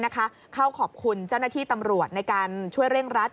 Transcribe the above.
เข้าขอบคุณเจ้าหน้าที่ตำรวจในการช่วยเร่งรัด